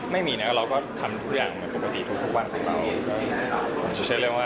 ไม่มีเนี่ยเราทำอย่างที่คู่พักทุกที่เย็น